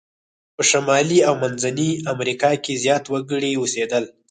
په شمالي او منځني امریکا کې زیات وګړي اوسیدل.